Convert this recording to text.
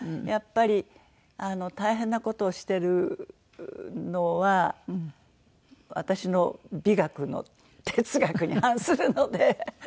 やっぱり大変な事をしてるのは私の美学の哲学に反するので。